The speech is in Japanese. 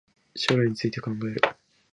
将来について考える